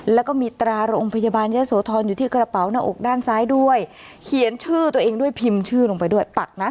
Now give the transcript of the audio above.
แล้วก็มีตราโรงพยาบาลเยอะโสธรอยู่ที่กระเป๋าหน้าอกด้านซ้ายด้วยเขียนชื่อตัวเองด้วยพิมพ์ชื่อลงไปด้วยปักนะ